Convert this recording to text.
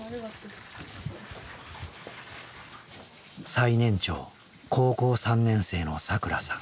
最年長高校３年生のさくらさん。